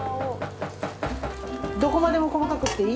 どこまでも細かくしていい？